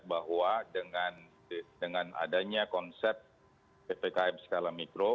bahwa dengan adanya konsep ppkm skala mikro